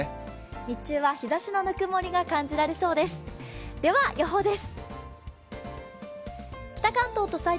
日中は日ざしのぬくもりが感じられそうです。